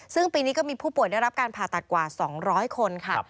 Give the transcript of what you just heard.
ซึ่งปีนี้ก็มีผู้ป่วยได้รับการผ่าตัดกว่า๒๐๐คนค่ะ